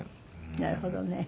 なるほどね。